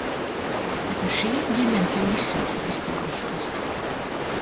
Bet nu šīs ģimenes jau izsenis ir izcēlušās.